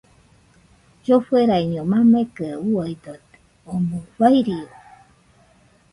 Llofueraɨño mamekɨ uiadote, omɨ farió